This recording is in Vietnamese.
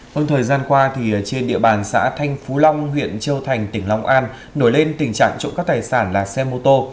hơn thời gian qua trên địa bàn xã thanh phú long huyện châu thành tỉnh long an nổi lên tình trạng trộm cắp tài sản là xe mô tô